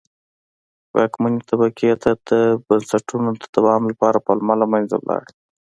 واکمنې طبقې ته د بنسټونو د دوام لپاره پلمه له منځه لاړه.